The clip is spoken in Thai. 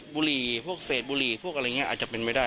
บุหรี่พวกเศษบุหรี่พวกอะไรอย่างนี้อาจจะเป็นไม่ได้